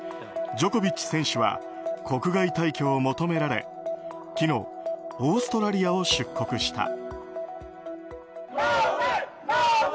ジョコビッチ選手は国外退去を求められ昨日、オーストラリアを出国した。